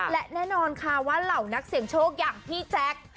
และแน่นอนค่ะว่าเหล่านักเสียงโชคอย่างพี่แจ๊ค